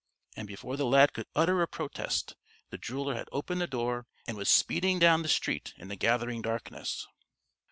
and before the lad could utter a protest, the jeweler had opened the door, and was speeding down the street in the gathering darkness.